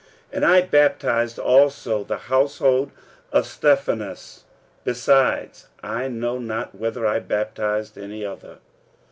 46:001:016 And I baptized also the household of Stephanas: besides, I know not whether I baptized any other.